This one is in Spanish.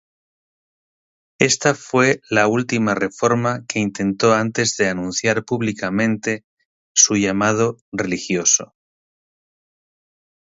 Esta fue la última reforma que intentó antes de anunciar públicamente su llamado religioso.